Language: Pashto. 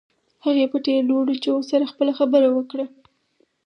هغې په ډېرو لوړو چيغو سره خپله خبره وکړه.